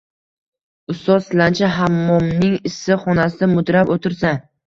Ustoz tilanchi hammomning issiq xonasida mudrab o’tirsa